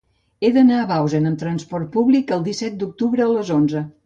He d'anar a Bausen amb trasport públic el disset d'octubre a les onze.